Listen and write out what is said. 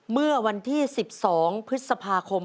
เมื่อวันที่๑๒พฤษภาคม